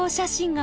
が